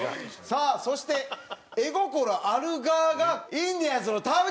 さあそして絵心ある側がインディアンスの田渕！